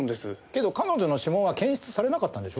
けど彼女の指紋は検出されなかったんでしょ？